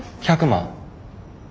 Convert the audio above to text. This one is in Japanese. １００万。